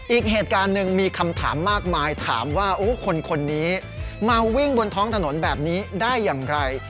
อีกเหตุการณ์หนึ่งมีคำถามมากมายถามว่าคนนี้มาวิ่งบนท้องถนนแบบนี้ได้อย่างไร